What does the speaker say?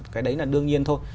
cái đấy là đương nhiên thôi